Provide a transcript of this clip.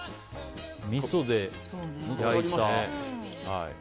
みそで焼いた。